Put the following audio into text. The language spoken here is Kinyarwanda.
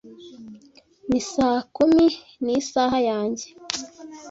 Ni saa kumi nisaha yanjye.